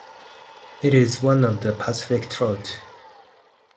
It is one of the Pacific trouts.